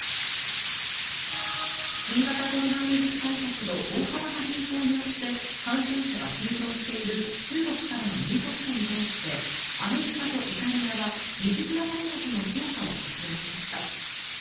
新型コロナウイルス対策の大幅な変更によって感染者が急増している中国からの入国者に対してアメリカとイタリアは水際対策の強化を発表しました。